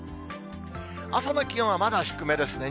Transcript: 朝の気温はまだ低めですね。